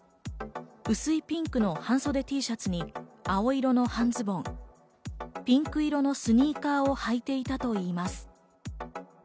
薄いピンクの半袖Ｔシャツに青色の半ズボン、ピンク色のスニーカーを履いていたといいます。